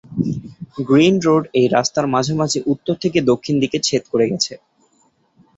Green road এই রাস্তার মাঝামাঝি উত্তর থেকে দক্ষিণ দিকে ছেদ করে গেছে।